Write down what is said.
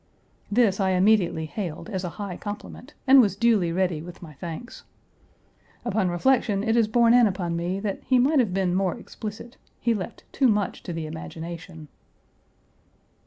This I immediately hailed as a high compliment and was duly ready with my thanks. Upon reflection, it is borne in upon me, that he might have been more explicit. He left too much to the imagination.